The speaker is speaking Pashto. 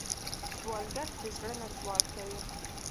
سوالګر د زړه نه سوال کوي